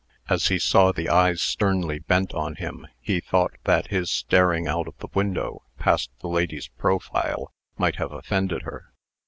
As he saw the eyes sternly bent on him, he thought that his staring out of the window, past the lady's profile, might have offended her.